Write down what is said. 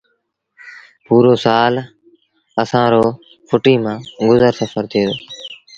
پُورو سآل اسآݩ رو ڦُٽيٚ مآݩ گزر سڦر ٿئي دو